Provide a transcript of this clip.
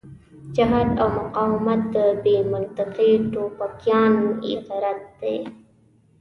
جهاد او مقاومت د بې منطقې ټوپکيان غرت دی.